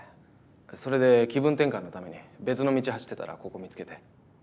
それで気分転換のために別の道走ってたらここ見つけて。